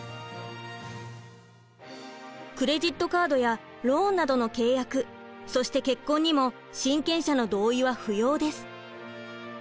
クレジットカードやローンなどの契約そして結婚にも親権者の同意は不要です。